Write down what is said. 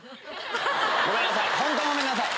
ごめんなさいホントごめんなさい。